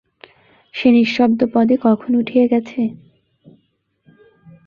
সে নিঃশব্দপদে কখন উঠিয়া গেছে।